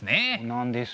なんです。